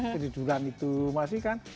kejujuran itu masih kan